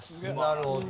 なるほど。